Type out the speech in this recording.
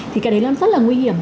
thì cái đấy nó rất là nguy hiểm